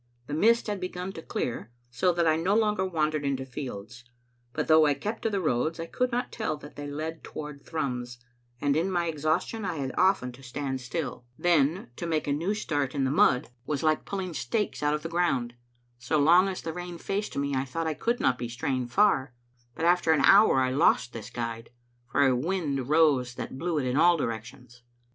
The mist had begun to clear, so that I no longer wandered into fields; but though I kept to the roads, I could not tell that they led toward Thrums, and in my exhaustion I had often to stand still. Then to make a new start in the mud Digitized by VuOOQ IC 814 m>c Xfttle Afnf0te?. was like pulling stakes out of the ground. So long as the rain faced me I thought I could not be straying far; but after an hour I lost this guide, for a wind rose that blew it in all directions.